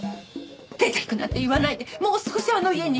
出ていくなんて言わないでもう少しあの家にいてください。